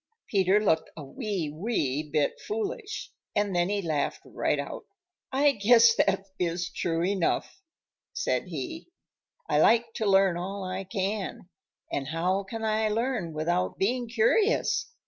Peter looked a wee, wee bit foolish, and then he laughed right out. "I guess that is true enough," said he. "I like to learn all I can, and how can I learn without being curious?